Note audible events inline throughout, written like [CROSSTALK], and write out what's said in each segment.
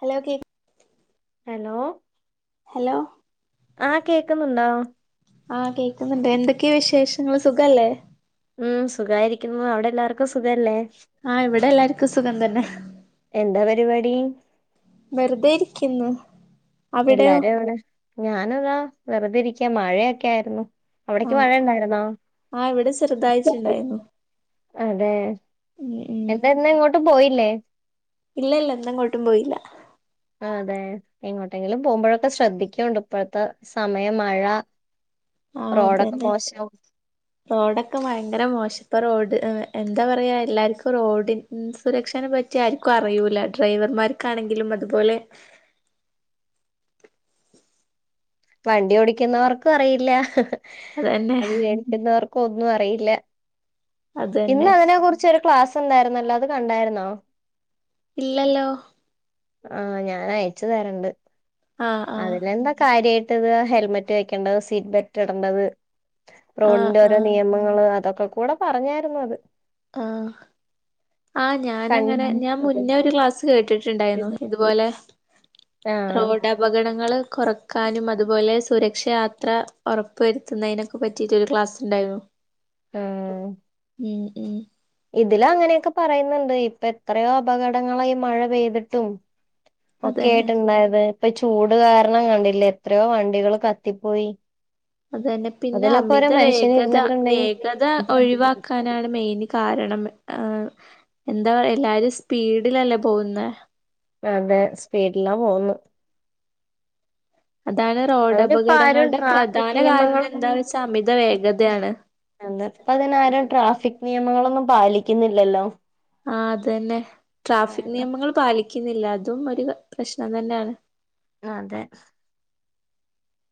Hello കേക് hello hello ആഹ് കേക്കുന്നുണ്ടോ ആഹ് കേക്കുന്നുണ്ട് എന്തൊക്കെയാ വിശേഷങ്ങൾ സുഖല്ലേ ഉം സുഖായിരിക്കുന്നു അവിടെ എല്ലാവർക്കും സുഖല്ലേ? ആഹ് ഇവിടെ എല്ലാർക്കും സുഖം തന്നെ എന്താ പരിപാടി വെറുതെ ഇരിക്കുന്നു അവിടെയോ എല്ലാരും എവിടെ ഞാനതാ വെറുതെരിക് ക്കയാ മഴയൊക്കെ ആയിരുന്നു അവിടേക്ക് ആഹ് മഴ ആഹ് ഉണ്ടായിരുന്നോ ആ ഇവിടെ ചെറുതായിച്ചിണ്ടായിരുന്നു അതെ എന്താ ഇന്ന് എങ്ങോട്ടും പോയി ല്ലേ ഇല്ല ഇല്ല ഇന്നേങ്ങോട്ടും പോയില്ല അതെ എങ്ങോട്ടെങ്കിലും പോകുമ്പോഴൊക്കെ ശ്രദ്ധിക്കോണ്ടു ഇപ്പഴ്ത്തെ സമയം മഴാ ആഹ് അതന്നെ റോഡൊക്കെ ഭയങ്കര മോശം ഇപ്പൊ റോഡ് എന്താ പറയാ എല്ലാർക്കും റോഡിന സുരക്ഷനെ പറ്റി ആർക്കും അറിയൂല്ല ഡ്രൈവർമാർക്കാണെങ്കിലും അതുപോലെ വണ്ടി ഓടിക്കുന്നവർക്കും അറിയില്ല അതന്നെ അത് വേണ്ടുന്നവർക് ക്കൊന്നും അറിയില്ല ഇന്ന് അതന്നെ അതിനെ കുറിച്ച് ഒരു ക്ലാസ് ഉണ്ടായിരുന്നല്ലെ അത് കണ്ടായിരുന്നോ ഇല്ലല്ലോ ആഹ് ഞാൻ അയച്ചു തരണ്ട് ആഹ് ആഹ് അതിലെന്താ കാര്യമായി ത് ഹെൽമെറ്റ് വെക്കേണ്ടത് സീറ്റ് ബെൽറ്റ് ഇടണ്ടത് ആഹ് റോഡിന്റെ ഓരോ ആഹ് നിയമങ്ങള് അതൊ ഒക്കക്കൂടെ പറഞ്ഞായിരുന്നു അത് ആ ആ കണ് ഞാനങ്ങനെ ഞാൻ മുന്നേ ഒരു ക്ലാസ് കേട്ടിട്ടുണ്ടായിരുന്നു ഇതുപോലെ ആഹ് റോഡ് അപകടങ്ങള് കുറക്കാനും അതുപോലെ സുരക്ഷയാത്ര ഉറപ്പ് വരുത്തുന്നതിനൊക്കെ പറ്റിട്ട് ഒരു ക്ലാസ് ഉണ്ടായിരുന്നു ആഹ് ഉം ഉം ഇതില് അങ്ങനെയൊക്കെ പറയുന്നുണ്ട് ഇപ്പൊ എത്രയോ അപകടങ്ങളാ ഈ മഴ പെയ്തിട്ടും ഓക്കെ അതന്നെ ആയിട്ടുണ്ടായത് ഇപ്പൊ ചൂട് കാരണം കണ്ടില്ലേ എത്രയോ വണ്ടികൾ കത്തിപ്പോയി അതന്നെ പിന്നെ അതിലൊക്കെ ഓരോ അമിത മനുഷ്യന് വേഗത ഇരുന്നിട്ടുണ്ടെങ്കിൽ വേഗത ഒഴിവാക്കാനാണ് മെയിന് കാരണം ആ എന്താ എല്ലാരും സ്പീഡിലല്ലേ പോകുന്നേ ദാണ്ടെ സ്പീഡ്ലാ പോകുന്നു അതാണ് റോഡ് അവരിപ്പാരും അപകടങ്ങളുടെ ട്രാഫിക് പ്രധാന കാരണം എന്താ നിയമങ്ങളൊന്നും വെച്ചാ അമിത വേഗതയാണ് പതിനായിരം ട്രാഫിക് നിയമങ്ങളൊന്നും പാലിക്കിന്നില്ലല്ലോ ആ അതെലേ ട്രാഫിക് നിയമങ്ങൾ പാലിക്കുന്നില്ല അ തും ഒരു പ്രശ്നം തന്നെയാണ് അതെ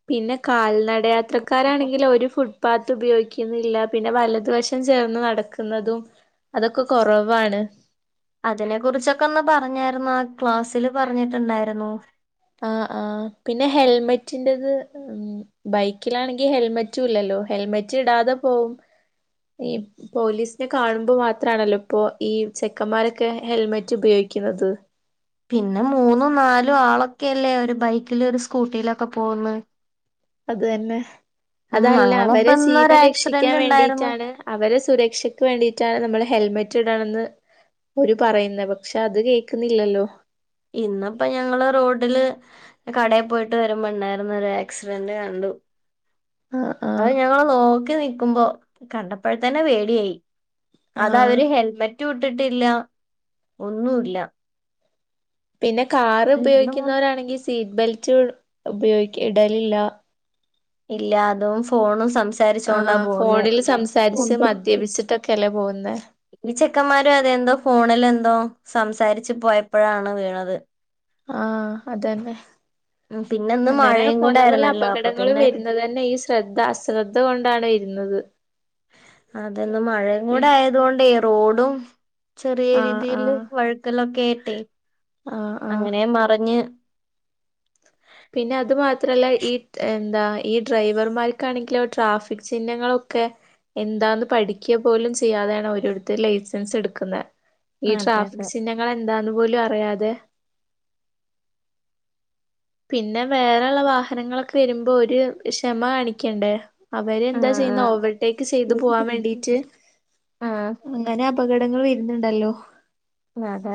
പിന്നെ കാൽന യാത്രക്കാരാണെങ്കില് ഒരു ഫു പാത്ത് ഉപയോഗിക്കുന്നില്ല പിന്നെ വലതു വശം ചേർന്ന് നടക്കുന്നതും അതൊക്കെ കൊറവാണ് അതിനെക്കുറിച്ചൊക്കെ അന്ന് പറഞ്ഞാരുന്ന് ആ ക്ലാസ്സില് പറഞ്ഞിട്ടുണ്ടായിരുന്നു ആ ആ പിന്നെ ഹെൽമെറ്റിന്റത് ഉം ബൈക്കിലാണെങ്കിൽ ഹെൽമെറ്റും ഇല്ലല്ലോ ഹെൽമെറ്റ് ഇടാതെ പോവും ഈ പോലീസിനെ കാണുമ്പോ മാത്രാണല്ലോ ഇപ്പൊ ഈ ചെക്കന്മാരൊക്കെ ഹെൽമെറ്റ് ഉപയോഗിക്കുന്നത് പിന്നെ മൂന്നും നാലും ആളൊക്കെയല്ലേ ഒരു ബൈക്കില് ഒരു സ്കൂട്ടിയിലൊക്കെ പോവുന്നെ അതല്ല അങ്ങനെ ഇപ്പ അവരെ ഇന്നൊരു ജീവൻ രക്ഷിക്കാൻ ആക്സിഡന്റ് ഉണ്ടായിരുന്നു വേണ്ടിട്ടാണ് അവരെ സുരക്ഷക്ക് വേണ്ടിട്ടാണ് നമ്മളെ ഹെൽമെറ്റ് ഇടണെന്ന് ഓര് പറയുന്നെ പക്ഷെ അത് കേൾക്കുന്നില്ലല്ലോ ഇന്ന്പ്പോ ഞങ്ങള് റോഡില് കടേ പോയിട്ട് വരുമ്പണ്ടാര് അവിടെന്ന് ഒരു ആക്സിഡന്റ് കണ്ടു ആഹ് അത് ആഹ് ഞങ്ങള് നോക്കി നി ക്കുമ്പോ കണ്ടപ്പൊഴ്തന്നെ പേടിയായി ആഹ് അതവര് ഹെൽമെറ്റ് റ്റ് വുട്ടിട്ടില്ല ഒന്നുല്ല പിന്നെ കാർ ഉം, ഉപയോഗിക്കുന്നവരാണെങ്കിൽ സീ സീറ്റ് ബെൽറ്റ് ഉപയോഗിക്ക ഇടലില്ല ഇല്ല അതും ഫോണും ആ സംസാരിച്ചോണ്ടാ പോകുന്നെ ഫോണിൽ സംസാരിച്ച് മദ്യപിച്ചിട്ടൊക്കെ ചില പോകുന്നത് ചെക്കന്മാരോ അതെന്തോ ഫോണിൽ എന്തോ എന്തോ സംസാരിച്ചു പോയപ്പോഴാണ് വീണത് ആഹ അതന്നെ ഉം പിന്നെന്ന് അങ്ങനെ മഴയും കൂടെ പല പല ആയിരുന്നല്ലോ അപ്പൊ അപകടങ്ങളും പിന്നെ വരുന്നത് തന്നെ ഈ ശ്രദ്ധ അശ്രദ്ധ കൊണ്ടാണ് വരുന്നത് അതൊന്നും മഴയും കൂടെ പിൻ ആയതുക കൊണ്ടേ റോഡും ചെറിയ ആഹ് രീതിയിൽ ആഹ് വഴുക്കലൊക്കെ [UNINTELLIGIBLE] ആഹ് ആഹ് അങ്ങനെ മറഞ്ഞ് പിന്നെ അത് മാത്രല്ല ഈ എന്താ ഈ ഡ്രൈവർമാർക്കാണെങ്കിൽ ട്രാഫിക് ചിഹ്നങ്ങളൊക്കെ എന്താന്ന് പഠിക്കുക പോലും ചെയ്യാതെയാണ് ഓരോടത്ത ലൈസൻസ് എടുക്കുന്നത് ഈ അതെ അതെ ട്രാഫിക് ചിഹ്നങ്ങൾ എന്താ അു പോലും അറിയാതെ പിന്നെ വേറെള്ള വാഹനങ്ങളൊക്കെ വരുമ്പോ ഒരു ക്ഷമ കാണിക്കണ്ടേ അവര് ഉം എന്താ ചെയ്യുന്ന ഓവർടേക്ക് ചെയ്ത് പോവാൻ ഉം വേണ്ടീട്ട് ഉം അങ്ങനെ അപകടങ്ങൾ വരുന്നുണ്ടല്ലോ അതെ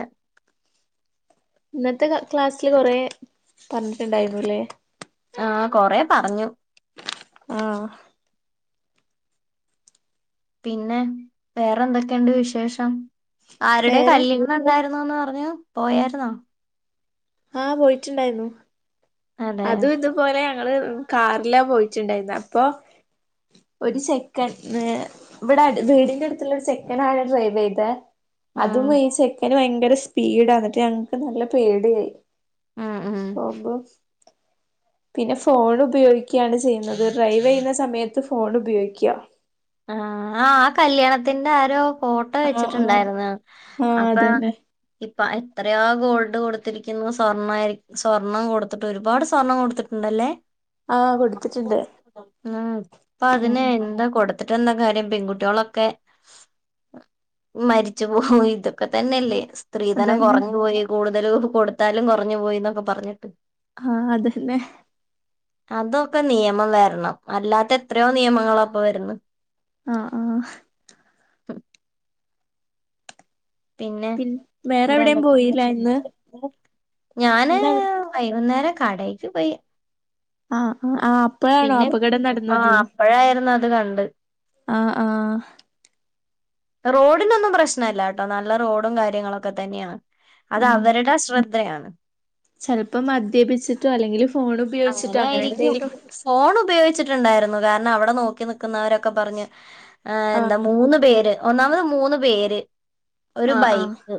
ഇന്നത്തെ ക്ലാസ്സില് കൊറെ പറഞ്ഞിട്ടുണ്ടായിരുന്നുല്ലേ ആഹ കൊറെ പറഞ്ഞു ആഹ പിന്നെ വേറെന്തൊക്കെയുണ്ട് വിശേഷം ആരുടെ വേറെ കല്യാണം എന്ത ന്ന് പറഞ്ഞു പോയായിുന്നോ ആഹ് പോയിട്ടുണ്ടായിരുന്നു അതെ അതും ഇതുപോലെയ ഞങ്ങള് കാറിലാ പോയിറ്റിണ്ടായിരുന്ന അപ്പോ ഒരു സെക്കൻ ഏ ഇവ്ടെ ട് വീടിന്റെ അടുത്തുള്ള ഒരു സെക്കൻ ആണ് ഡ്രൈവ് ചെയ്തേ. അതും ഉം ഈ ചെക്കന് വയങ് ഭയങ്കര സ്പീഡ എന്നിട്ട് ഞങ്ങക്ക് നല്ല പേടിയായി. ഉം ഉം പോ ബസ് പിന്നെ ഫോൺ ഉപയോഗിക്കാണ് ചെയ്യുന്നത്, ഡ്രൈവ് ചെയ്യുന്ന സമയത്ത് ഫോൺ ഉപയോഗിക്ക ആ ആ ആ കല്യാണത്തിന്റെ ആരോ ഫോട്ടോ ആഹ് ആഹ് വെച്ചിട്ടുണ്ടായിരുന്നു ആഹ് അപ്പോ അതന്നെ ഇപ്പ എത്രയാ ഗോൾഡ് കൊടുത്തിരിക്കുന്നു സ്വർണ്ണ ആയിര് സ്വർണ്ണം കൊടുത്തിട്ട് ഒരുപാട് സ്വർണം കൊടുത്തിട്ടുണ്ടല്ലേ. ആഹ് കൊടുത്തിട്ടുണ്ട് മ് ഇപ്പ ഉം അതിന് ഉം എന്താ കൊടുത് ത്തിട്ട എന്താ കാര്യം പെൺകുട്ടികളൊക്കെ മരിച്ചു പോകും ഇതൊക്കെ തന്നെല്ലേ സ് സ്ത്രീധനം അതന്നെ കൊറഞ്ഞു പോയി കൂടുത് മൊതലൂപ്പ് കൊടുത്താലും കൊറഞ്ഞു പോയിന്നൊക്കെ പറഞ്ഞിട്ട് ആ അതെന്നെ അതൊക്കെ നിയമം വരണം, അല്ലാത്ത എത്രയോ നിയമങ്ങളോ അപ്പോ വര്ന്ന്. ആ ആ അ പിന്നെ വേറെ എവിടെയും പോയില്ല ഇന്ന് എന്തൊക്കെയുണ്ട് [UNINTELLIGIBLE] ഞാന് ഇന്ന് എവിടെ വൈകുന്നേരം കടയിക്ക് പയി ആ ആ പിന്നെ ആ അപ്പഴായിരുന്നു അത് അത് കണ്ട് ആ ആഹ് റോഡിനൊന്നും പ്രശ്നല്ല കേട്ടോ നല്ല റോഡും കാര്യങ്ങളൊക്കെ തന്നെയാ. അത് അവരുടെ അശ്രദ് ളെയാണ്. ചെലപ്പം മദ്യപിച്ചിട്ടോ അല്ലെങ്കില് ഫോൺ ഉപയോഗിച്ചിട്ടോ അങ്ങനെ അങ്ങനെയായിരിക്കും എന്തെങ്കിലും ഫോൺ ഉപയോഗിച്ചിട്ടുണ്ടായിരുന്നു കാരണം അവിടെ നോക്കി നിക്കുന്നവരൊക്കെ പറഞ്ഞ് ആ എന്താ ആഹ് മൂന്ന് പേര് ഒന്നാമത് മൂന്ന് പേര് ഒരു ആഹ് ആഹ് ബൈക്ക്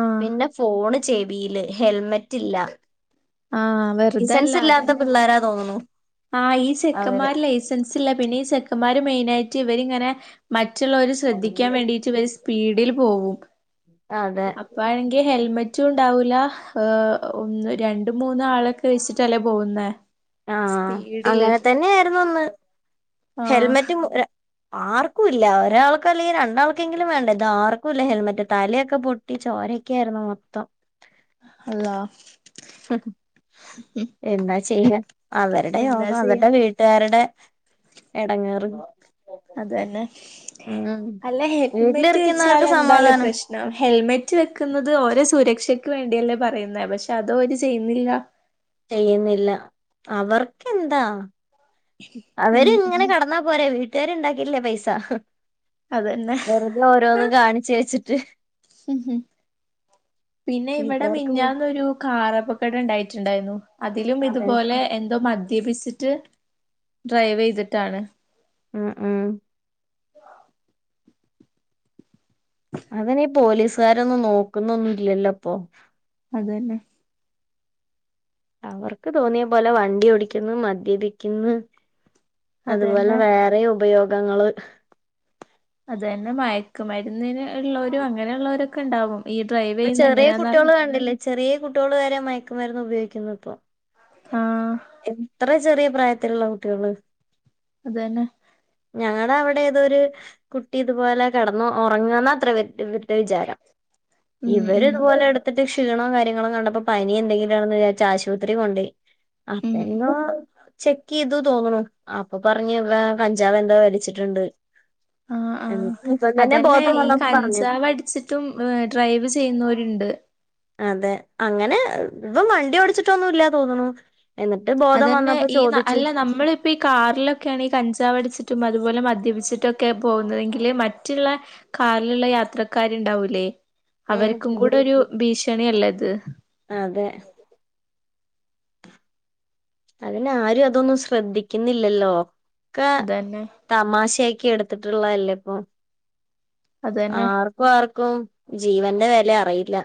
ആഹ് പിന്നെ ഫോൺ ചെവിയില് ഹെൽമെറ്റ് ഇല്ല. ആഹ് സൻസ് ഇല്ലാത്ത പിള്ളേരാ തോന്നുന്നു. ആ ഈ അവര് സെക്കന്മാര് ലൈസൻസ് ഇല്ല പിന്നെ ഈ സെക് മാര് മെയിനായിട്ട് ഇവരിങ്ങനെ മറ്റ് മറ്റുള്ളവര് ശ്രദ്ധിക്കാൻ വേണ്ടിയിട്ട് സ്പീഡിൽ പോവും അതെ അപ്പാണെങ്കി ഹെൽമെറ്റ് റ്റുംണ്ടാവൂല ഒന്ന് രണ്ട് മൂന്ന് ആളെക്കെ വച്ചിട്ടല്ലേ പോകുന്നേ ആഹ് സ്പീഡില് അങ്ങനെ തന്നെ ആയിരുന്നു ന്ന് ആഹ് ഹെൽമെറ്റ് [UNINTELLIGIBLE] എ ആർക്കു ഇല്ല ഒരാൾക് അല്ലെങ്കിൽ രണ്ടാൾക്കെങ്കിലും വേണ്ട ഇത് ആർക്കുല്ല ഹെൽമെറ്റ് തലൊക്കെ പൊട്ടി ചോരക്കായിരുന്നു മൊത്തം അള്ളാ എന്താ ചെയ്യ അവരുടെ എന്താ യോഗം ചെയ്യാ അവരുടെ വീട്ടുകാരുടെ എടങ്ങേറ് അത് തന്നെ ഉം അല്ല ഹെൽമെറ്റ് വെച്ചാൽ വീട്ടിലിരിക്കുന്നവർക്ക് എന്താലെ സമാധാനം പ്രശ്നം ഹെൽമെറ്റ് വെക്കുന്നത് ഒര സൂരക്ഷ ക്ഷക്ക് വേണ്ടിയല്ലേ പറയുന്നെ പക്ഷെ അത് ഓല് ചെയ്യുന്നില്ല ചെയ്യുന്നില്ല അവർക്കെന്താ ഉം അവര് ഇങ്ങനെ ഉം കെടന്നാ പോരെ വീട്ടില് ട്ടാരുണ്ടാക്കില്ലേ പൈസ അതന്നെ വെറുതെ ഓരോന്നും കാണിച്ചേയ്ച്ച് [INAUDIBLE] ഉം ഉം പിന്നെ ഇവിടെ വീട്ടുകാർക്ക് മിഞ്ഞാന്നൊരു കാറപകട ഉണ്ടായിട്ടുണ്ടായിന്നു അതിലും അതെ ഇതുപോലെ എന്തോ മ ദ്യപിച്ചിട്ട് ഡ്രൈവ് ചെയ്തിട്ടാണ് അഹ് അഹ് അവെനി പോലീസുകാരൊന്നും നോക്കുന്നൊന്നും ഇല്ലല്ലപ്പൊ അതന്നെ അവർക്ക് തോന്നിയ പോലെ വണ്ടി ഓടിക്കുന്നു മദ്യപിക്ക്ന്ന് അതുപോലെ അതന്നെ വേറയോപയോഗ ഗങ്ങള് അതന്നെ മയക്കുമരുന്നിന് ഉള്ളോരും അങ്ങനെയുള്ളവരൊക്കെ ഉണ്ടാവും ഈ ഡ്രൈവ് പ്പ ചെയ്യുന്ന ചെറിയ എങ്ങനാന്നറിയി കുട്ട്യേള് കണ്ടില്ലേ ചെറ്യേ കു ട്ട്യോള് വരെ മയക്കുമരുന്ന് ഉപയോഗിക്കുന്നു ഇപ്പൊ ആഹ് എത്ര ചെറിയ പ്രായത്തിലുള്ള കുട്ടികള് അതന്നെ ഞാനവിടെ ഏതോരു കുട്ടി ഇതുപോലെ കെടന്നു ഒറങ്ങന്ന അത്ര ഇവ [UNINTELLIGIBLE] ർടെ വിചാരം ഉം ഇവര് ഉം ഇതുപോലെ എടുത്തി ക്ഷീണോ കാര്യങ്ങളോ കണ്ടപ്പോ പനി എന്തെങ്കിലാണെന്ന് വിചാരിച് ആശുപത്രി കൊണ്ടോയി ഉം അപ്പേന്നോ ചെക്ക് ചെയ്തു തോന്നണു അപ്പൊ പറഞ്ഞു ഇവൻ കഞ്ചാവ് എന്തോ വലിച്ചിട്ടുണ്ട്. ആഹ് എന്ന് ആഹ് ഇവൻ തന്നെ അതന്നെ ബോധം ഈ വന്നപ്പോ പറഞ്ഞു കഞ്ചാവടിച്ചിട്ടും ഡ്രൈവ് ചെയ്യുന്നവരുണ്ട്. അതെ അങ്ങനെ ഇവൻ വണ്ടി ഓടിയോടിച്ചിട്ടൊന്നും ഇല്ലന് തോന്നുണു എന്നിട്ട് അത് ബോധം തന്നെ വന്നപ്പോ ഈ ചോദിച്ചു അല്ല നമ്മളിപ്പ ഈ കാറിലൊക്കെയാണ് ഈ കഞ്ചാവ് അടിച്ചിട്ട് മ അതുപോലെ മദ്യപിച്ചിട്ടൊക്കെ പോകുന്നതെങ്കില് മറ്റുള്ള കാറിലുള്ള യാത്രക്കാര്ണ്ടാവൂല്ലേ ഉം അവർക്കും കൂടെ ഒരു ഭീഷണി അല്ലിത്. അതെ അതിന്നാരു അതൊന്നും ശ്രദ്ധിക്കുന്നില്ലല്ലോ? ക്ക അതന്നെ തമാശായി ക്കി എടുത്തിട്ടുള്ളല്ലേ ഇപ്പൊ. അതന്നെ ആർക്കും ആർക്കും ജീവന്റെ വില അറിയില്ല.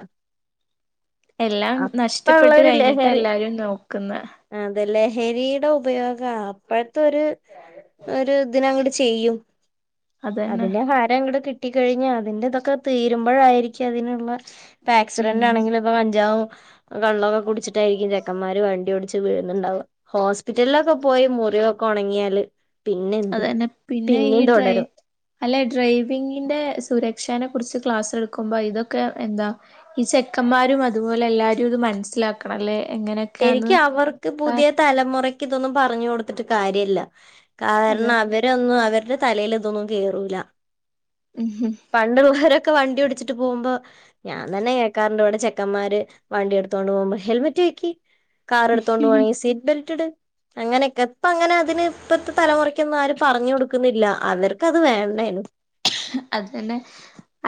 എല്ലാം നഷ്ടപ്പെട്ട് കഴിഞ്ഞിട്ട് എല്ലാരും നോ ആ അതല്ലേ? ഹരിയുടെ ഉപയോഗം അപ്പഴത്തെൊ ഒരു ഒരു ഇതിനങ്ങോട്ട് ചെയ്യും. അതന്നെ അതിന്റെ ഹരം അങ്ങ കിട്ടി കഴിഞ്ഞ് അതിൻറതൊക്കെ തീരുമ്പോഴായിരിക്കും അതിനുള്ള ഇപ്പൊ ആക്സിഡന്റ് ഉം ആണെങ്കിലും ഇപ്പ കഞ്ചാവും കള്ളൊക്കെ കുടിച്ചിട്ടായിരിക്കും ചെക്കൻമാര് വണ്ടി കൊടു ച്ച് വീഴുന്നുണ്ടാവുക. ഹോസ് പിറ്റലിൽ ഒക്കെ പ്പോയി മുറി കൊണങ്ങിയാല് അത്‌ തന്നെ പിന്നെ ഈ ഡ്രൈ അല്ലെ ഡ്രൈവിങ്ങിന്റെ സുര ക്ഷനെ കുറിച്ച് ക്ലാസ് എടുക്കുമ്പോ ഇതൊക്കെ എന്താ. ഈ ചെക്കന്മാരും അതുപോലെ എല്ലാരും ഇത് മനസ്സിലാക്കണം അല്ലെ. ശരിക്കും അവർക്ക് പുതിയ തലമുറക്ക് ഇതൊന്നും പറഞുകൊടുത്തിട്ട് കാര്യല്ല. കാരണം അതന്നെ അവരൊന്നും അവരുടെ തലേലിതൊന്നും കേറൂല. ഉം ഹും. പണ്ട്ള്ളവരെക്കെ വണ്ടി ഒടിച്ചിട്ട് പോകുമ്പോ ഞാൻ തന്നെ കേക്കാറുണ്ട് ഇവിടെ ചെക്കന്മാര് വണ്ടി എടുത്തോണ്ട് പോകുമ്പോ ഹെൽമെറ്റ് വെക്ക് കാർ എടുത്തോണ്ട് പോണെങ്കിൽ സീറ്റ് ബെൽറ്റ് ഇട്. അങ്ങനെയൊക്കെ ഇപ്പ അങ്ങനെ അതിന് ഇപ്പത്തെ തലമുറക്കൊന്നും ആരുംപറഞ്ഞു കൊടുക്കുന്നില്ല അവർക്ക് അത് വേണ്ടേനു അത് തന്നെ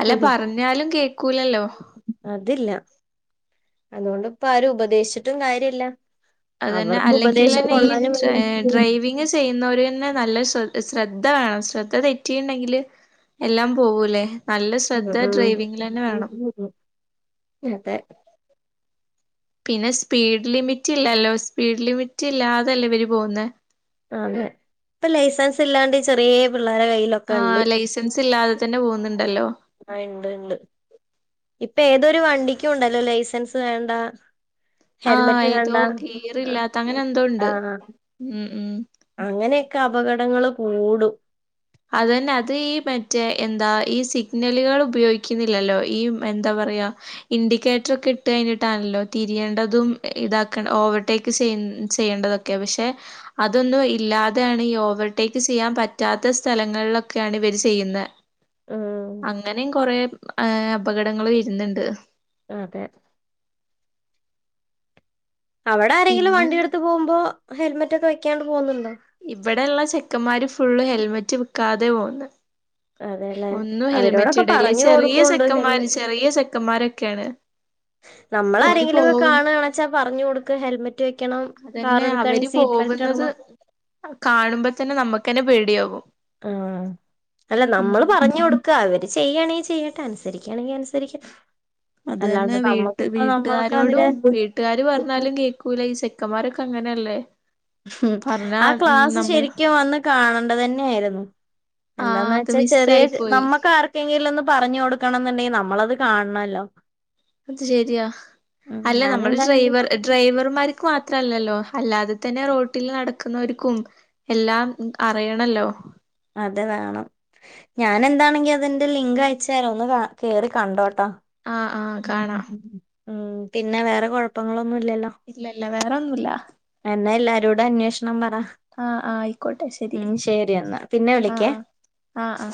അല്ല ഹും പറഞ്ഞാലും കേക്കൂലല്ലോ? തില്ല. അതുകൊണ്ട് ഇപ്പ ആരും ഉപദേശി ട്ടും കാര്യല്ല. അത് തന്നെ അവർക്ക് ഉപദേശം അല്ലെങ്കിൽന്നെ ഈ കൊള്ളാനും വയ്യ ഡ്രൈവിങ് ചെയ്യുന്നവര് തന്നെ നല്ല ശ്ര ശ്രദ്ധ വേണം ശ്രദ്ധ തെറ്റിണ്ടെങ്കില് എല്ലാം പോവൂല്ലേ? നല്ല ശ്രദ്ധ ഉം ഡ്രൈവിംഗിൽ തന്നെ വേണം. അതെ പിന്നെ സ്പീഡ് ലിമിറ്റ് ഇല്ലല്ലോ സ്പീഡ് ലിമിറ്റ് ഇല്ലാതല്ലോ ഇവര് പോകുന്നേ? ഇപ്പ ലൈസൻസ് ഇല്ലാണ്ട് ചെറിയ പിള്ളേരെ ആ കയ്യിലൊക്കെ ഉണ്ട് ലൈസൻസ് ഇല്ലാതെ തന്നെ പോകുന്നുണ്ട് ഹലോ ആ ഉണ്ട് ഉണ്ട് ഇപ്പൊ ഏതൊരു വണ്ടിക്കും ഉണ്ടല്ലോ ലൈസൻസ് വേണ്ട ആഹ ഹെൽമെറ്റ് വേണ്ട ഏതോ ഗിയറില്ലാത്ത അങ്ങനെ എന്തോ ഉണ്ട് ആഹ് ഉം ഉ അങ്ങനെയൊക്കെ അപകടങ്ങള് കൂടും അതന്നെ അത് ഈ മറ്റേ എന്താ ഈ സിഗ്നലുകൾ ഉപയോഗിക്കുന്നില്ലല്ലോ ഈ എന്താ പറയാ ഇൻഡിക്കേറ്റർ ഒക്കെ ഇട്ട് കഴിഞ്ഞിട്ടാണല്ലോ തിരിയേണ്ടതും ഇതാക്ക ഓവർടേക്ക് ചെയ ചെയ്യേണ്ടതൊക്കെ പക്ഷെ അതൊന്നും ഇല്ലാതെയാണ് ഈ ഓവർടേക്ക് ചെയ്യാൻ പറ്റാത്ത ത്ത സ്ഥലങ്ങളിലൊക്കെയാണ് ഇവര് ചെയ്യുന്നത് ഉം അങ്ങനെയ കൊറ ഏ അപകടങ്ങൾ വരുന്നുണ്ട് അതെ അവിടെ ആരെങ്കിലും പിന്നെന്താ വണ്ടിയെടുത്ത് പോകുമ്പോ ഹെൽമറ്റ ഒക്കെ വെക്കാണ്ട് പോകുന്നുണ്ടോ ഇവിടെയള്ള ചെ ക്കന്മാര് ഫുള്ള് ഹെൽമെറ്റ് വക്കാതെ പോകന്ന് അതെല്ലേ ഒന്നും ഹെൽമെറ്റ് അവരോടൊക്കെ ഇടല്ലേ പറഞ്ഞു ചെറിയ കൊടുക്കുന്നുണ്ട് ചെക്കന്മാര് ചെറിയ ചെക്കന്മാരൊക്കെ ഒക്കെയാണ് നമ്മൾ ആാരങ്കിലും ഒക്കെ കാണുകണെച്ചാ പറഞ്ഞു കൊടുക്ക ഹെൽമെറ്റ് വെക്കണം കാർ അതന്നെ അവര് എടുക്കുകയാണെങ്കിൽ സീറ്റ് ബെൽറ്റ് പോകുന്നത് ഇടണം കാണുമ്പോ തന്നെ നമുക്ക്ന്നെ പേടിയാാവും ആ അല്ല നമ്മള് പറഞ്ഞ കൊടുക്ക അവര് ചെയ്യുകയാണെങ്കിൽ ചെയ്യട്ടെ അനുസരിക്കുകയാണെങ്കിൽ അനുസരിക്കണം അത് തന്നെ വീട്ട് വീട്ടുകാരോടും അവരെ വീട്ടുകാര് പറഞ്ഞാലും കേക്കൂല ഈ ചെക്കന്മാരൊക്കെ അങ്ങനെയല്ലേ പറഞ്ഞാ ആ ഉം ക്ലാസ്സ് നമ്മൾ ശരിക്കും വന്ന് കാണണ്ട തന്നെ ആായിരുന്നു ആഹ് എന്താന്ന് അത് വെച്ചാ ചെറിയ മിസ്സായി പോയി നമ്മക്ക് ആർക്കെങ്കിലും ഒന്ന് പറഞ്ഞു കൊടുക്കണം എന്നുണ്ടെങ്കിൽ നമ്മളത് കാണണല്ലോ അത് ശെരിയാ ഉം അല്ല ഞാൻ നമ്മള് എന്താണെങ്കിലും ഡ്രൈവർ ഡ്രൈവർമാർക്ക് മാത്രല്ലല്ലോ അല്ലാതെ തന്നെ റോട്ടിൽ നടക്കുന്നവർ കും എല്ലാം അറിയണല്ലോ അത വേണം ഞാൻ എന്താണെങ്കി അതിന്റെ ലിങ്ക് അയച്ചതരോ ഒന്ന് കേറി കണ്ടോട്ടോ ആഹ് ആഹ് കാണാം [UNINTELLIGIBLE] ഉ പിന്നെ വേറെ കുഴപ്പങ്ങളോ ഒന്നുലല്ലോ? ഇല്ലല്ല വേറൊന്നുല്ല എന്നാ എല്ലാരോട അന്വേഷണം പറ, ആഹ് ആഹ് ആയിക്കോട്ടെ ഉം ശരി എന്നാ പിന്നെ ആഹ് വിളിക്ക്യ ആഹ് ആഹ് ആഹ്